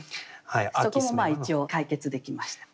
そこも一応解決できました。